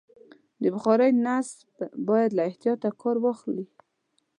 د بخارۍ نصب باید له احتیاطه کار واخلي.